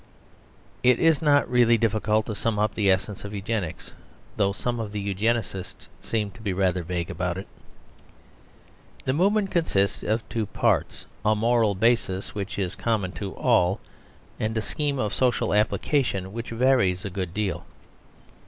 It is not really difficult to sum up the essence of Eugenics: though some of the Eugenists seem to be rather vague about it. The movement consists of two parts: a moral basis, which is common to all, and a scheme of social application which varies a good deal.